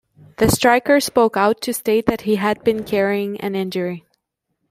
The striker spoke out to state that he had been carrying an injury.